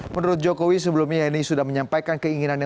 menurut jokowi sebelumnya yeni sudah menyampaikan keinginannya